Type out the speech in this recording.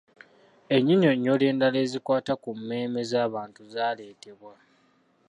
Ennyinyonnyola endala ezikwata ku mmeeme z’abantu zaaleetebwa.